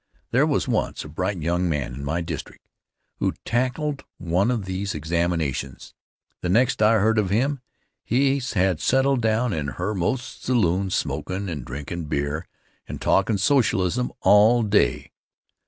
There was once a bright young man in my district who tackled one of these examinations. The next I heard of him he had settled down in Herr Most's saloon smokin' and drinkin' beer and talkin' socialism all day.